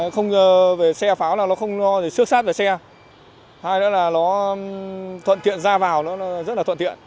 không về xe pháo là nó không xuất sát về xe hai nữa là nó thuận tiện ra vào nó rất là thuận tiện